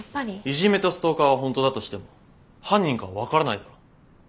イジメとストーカーは本当だとしても犯人かは分からないだろ。